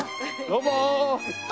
どうも！